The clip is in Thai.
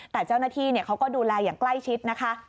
แต่เจ้าหน้าที่เขาก็ดูแลอย่างใกล้ชิดนะคะ